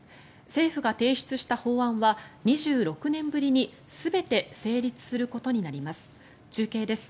政府が提出した法案は２６年ぶりに全て成立することになります。